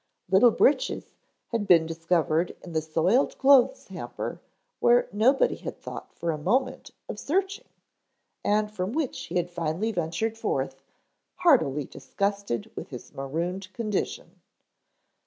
Little Breeches had been discovered in the soiled clothes hamper, where nobody had thought for a moment of searching and from which he had finally ventured forth heartily disgusted with his marooned condition.